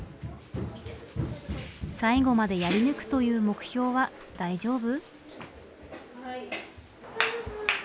最後までやり抜くという目標は大丈夫？